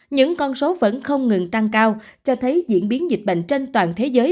những con số vẫn không ngừng tăng cao cho thấy diễn biến dịch bệnh trên toàn thế giới